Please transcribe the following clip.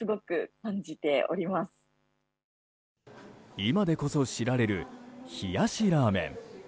今でこそ知られる冷やしラーメン。